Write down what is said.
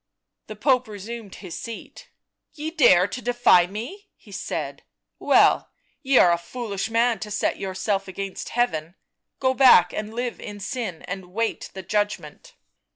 The Pope resumed his seat. " Ye dare to defy me," he said. " Well — ye are a foolish man to set yourself against Heaven ; go back and live in sin and wait the judgment."